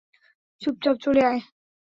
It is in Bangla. চুপচাপ চলে আয়।